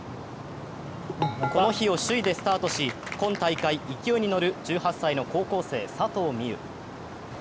この日を首位でスタートし今大会勢いに乗る高校生の佐藤心結。